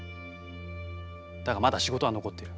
だがまだ仕事は残っている。